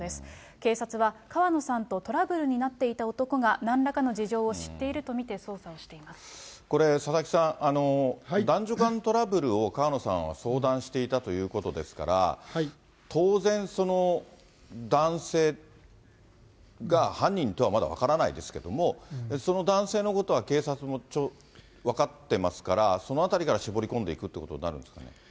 警察は川野さんとトラブルになっていた男がなんらかの事情を知っ佐々木さん、男女間トラブルを川野さんは相談していたということですから、当然、男性が犯人とはまだ分からないですけれども、その男性のことは、警察も分かってますから、そのあたりから絞り込んでいくってことになるんですかね。